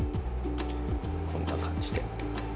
こんな感じで。